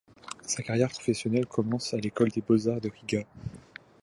Sa carrière professionnelle commence à l'école des beaux-arts de Riga.